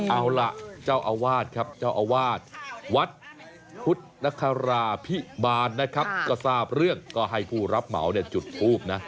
เอาล่ะเจ้าอาวาสครับเจ้าอาวาสวัดพุทธนคราพิบาลนะครับก็ทราบเรื่องก็ให้ผู้รับเหมาเนี่ยจุดทูปนะ